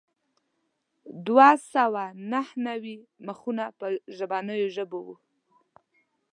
دوه سوه نهه نوي مخونه په بهرنیو ژبو وو.